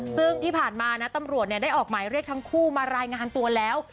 ซึ่งที่ผ่านมานะตำรวจได้ออกหมายเรียกทั้งคู่มารายงานตัวแล้ว